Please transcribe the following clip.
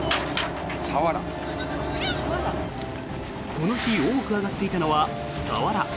この日、多く揚がっていたのはサワラ。